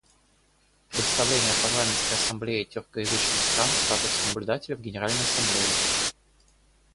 Предоставление Парламентской ассамблее тюркоязычных стран статуса наблюдателя в Генеральной Ассамблее.